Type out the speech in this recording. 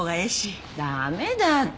駄目だって。